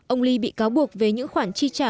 ông lee bị cáo buộc về những khoản chi trả